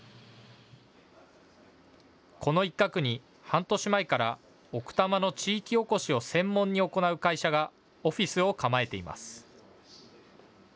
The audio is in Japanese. この一角に半年前から奥多摩の地域おこしを専門に行う会社がオフィスを構えています。